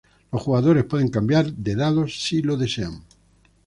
Los jugadores pueden cambiar de dados si lo desean.